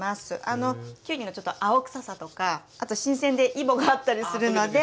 あのきゅうりのちょっと青臭さとかあと新鮮でイボがあったりするので。